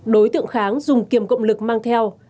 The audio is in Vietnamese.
đối tượng kháng dùng kiềm cộng lực mang theo